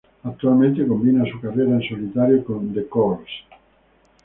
Actualmente combina su carrera en solitario con The Corrs.